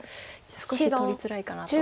少し取りづらいかなと。